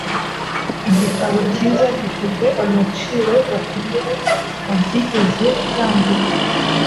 Igitabo cyiza gifite agaciro gakomeye mu byigeze byandikwa,